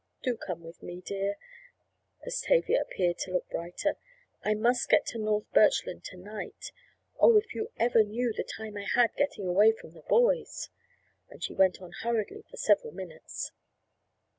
Do come with me, dear," as Tavia appeared to look brighter. "I must get to North Birchland to night—Oh, if you ever knew the time I had getting away from the boys!" And she went on hurriedly for several minutes.